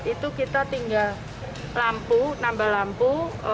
itu kita tinggal lampu nambah lampu